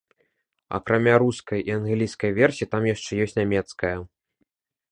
Акрамя рускай і англійскай версій, там ёсць яшчэ нямецкая.